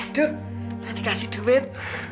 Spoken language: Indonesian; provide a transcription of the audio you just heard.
aduh saya dikasih duit